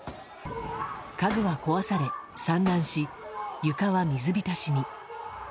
家具は壊され散乱し床は水浸しに。